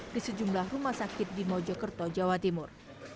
di sejumlah rumah sakit di mojokerto jawa timur